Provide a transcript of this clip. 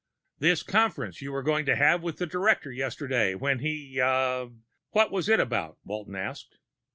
"This conference you were going to have with the director yesterday when he ah, what was it about?" Walton asked.